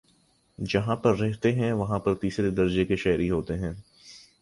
جہاں پر رہتے ہیں وہاں پر تیسرے درجے کے شہری ہوتے ہیں